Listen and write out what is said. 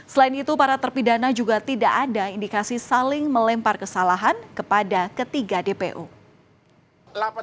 selain itu para terpidana juga tidak ada indikasi saling melempar kesalahan kepada ketiga dpo